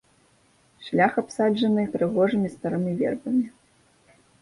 Шлях абсаджаны прыгожымі старымі вербамі.